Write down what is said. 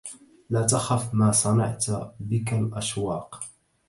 لا تخف ما صنعت بك الأشواق